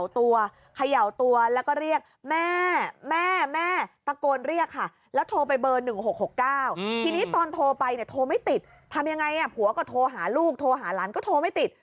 ทำไมผัวก็โทรหาลูกโทรหาหลานก็โทรไม่ติด